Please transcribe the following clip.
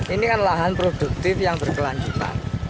ini kan lahan produktif yang berkelanjutan